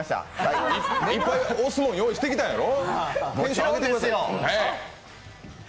いっぱい押すもの用意してきたんやろ？